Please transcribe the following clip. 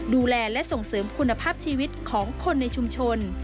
ดูแลและส่งเสริมคุณภาพชีวิตของคนในชุมชน